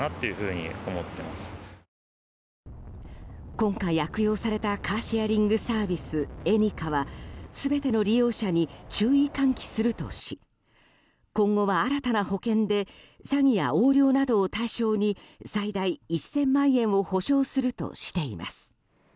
今回悪用されたカーシェアリングサービスエニカは全ての利用者に注意喚起するとし今後は、新たな保険で詐欺や横領などを対象に最大１０００万円を補償するとしています。